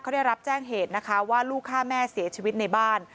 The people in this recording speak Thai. เขาได้รับแจ้งเหตุนะคะว่าลูกฆ่าแม่เสียชีวิตในบ้าน